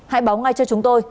hãy báo ngay cho chúng tôi